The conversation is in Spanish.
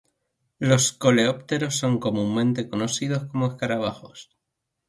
Los coleópteros son comúnmente conocidos como escarabajos.